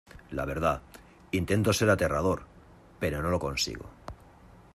La verdad, intento ser aterrador , pero no lo consigo.